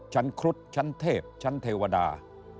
ครุฑชั้นเทพชั้นเทวดา